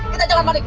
kita jangan panik